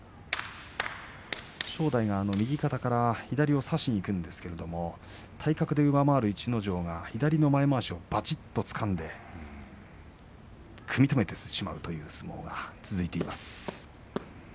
正代が右肩から左に差しにいくんですが体格で上回る逸ノ城が左の前まわしをばちっとつかんで組み止めてしまう相撲が続いています。